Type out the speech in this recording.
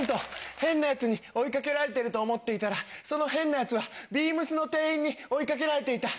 「変なヤツに追いかけられてると思っていたらその変なヤツはＢＥＡＭＳの店員に追いかけられていた」。